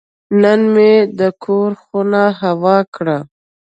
نن مې د کور خونه هوا کړه.